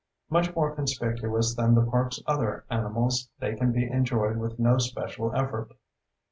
Much more conspicuous than the park's other animals, they can be enjoyed with no special effort.